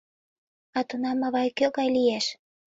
— А тунам авай кӧ гай лиеш?